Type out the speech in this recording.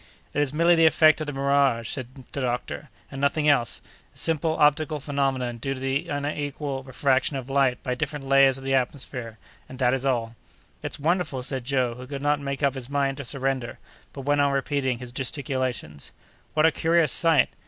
"It is merely the effect of the mirage," said the doctor, "and nothing else—a simple optical phenomenon due to the unequal refraction of light by different layers of the atmosphere, and that is all. "It's wonderful," said Joe, who could not make up his mind to surrender, but went on repeating his gesticulations. "What a curious sight!